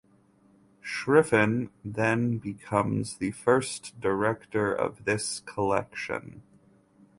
Schiffrin then becomes the first director of this collection.